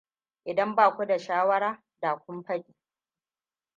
Idan baku da shawara, da kun fadi.